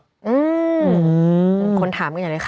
อืมคนถามกันอย่างไรค่ะ